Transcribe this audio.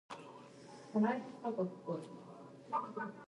د مور چلند د ماشوم احساسات اغېزمنوي.